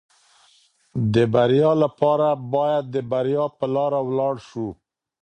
د بریا لپاره باید د بریا په لاره ولاړ شو.